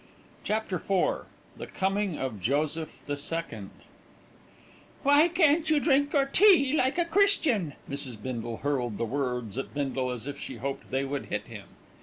CHAPTER IV THE COMING OF JOSEPH THE SECOND "Why can't you drink your tea like a Christian?" Mrs. Bindle hurled the words at Bindle as if she hoped they would hit him.